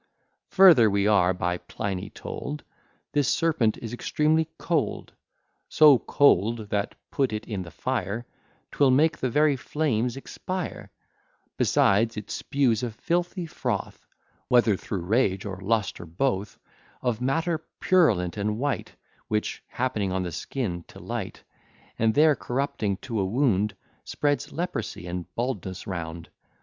Further, we are by Pliny told, This serpent is extremely cold; So cold, that, put it in the fire, 'Twill make the very flames expire: Besides, it spues a filthy froth (Whether thro' rage or lust or both) Of matter purulent and white, Which, happening on the skin to light, And there corrupting to a wound, Spreads leprosy and baldness round.